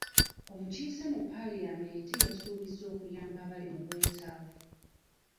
Omukiise mu paalamenti yasuubiza okuyamba abali mu bwetaavu.